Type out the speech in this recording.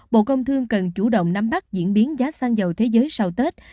bộ công thương cần chủ động nắm bắt diễn biến giá xăng dầu thế giới sau tết